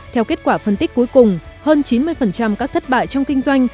theo kết quả phân tích cuối cùng hơn chín mươi các thất bại trong kinh doanh